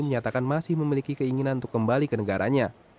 menyatakan masih memiliki keinginan untuk kembali ke negaranya